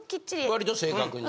割と正確に。